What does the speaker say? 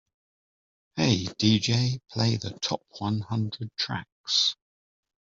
"Hey DJ, play the top one hundred tracks"